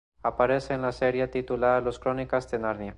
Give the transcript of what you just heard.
Aparece en la serie titulada "Las Crónicas de Narnia".